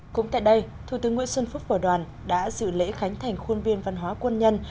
cũng tại đây thủ tướng nguyễn xuân phúc và đoàn đã dự lễ khánh thành khuôn viên văn hóa quân nhân